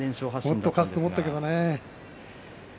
もっと勝つと思ったけどね。